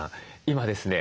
今ですね